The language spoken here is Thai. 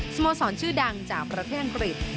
สโมสรชื่อดังจากประเทศอังกฤษ